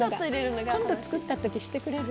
今度作った時してくれる？